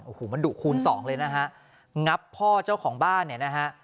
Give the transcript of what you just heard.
โอ้โหมันดุคูณสองเลยนะฮะงับพ่อเจ้าของบ้านเนี่ยนะฮะ